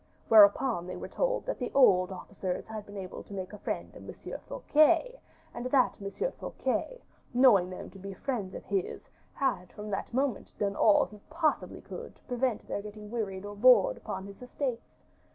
Whereupon they were told that the old officers had been able to make a friend of M. Fouquet, and that M. Fouquet, knowing them to be friends of his, had from that moment done all he possibly could to prevent their getting wearied or bored upon his estates.